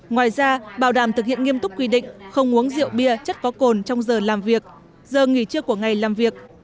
ngoài ra bảo đảm thực hiện nghiêm túc quy định không uống rượu bia chất có cồn trong giờ làm việc giờ nghỉ trưa của ngày làm việc